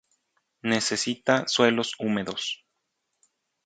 Necesita suelos húmedos.